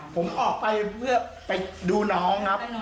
ผมออกไปเพื่อไปดูน้องครับ